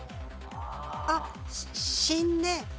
あっ新ね。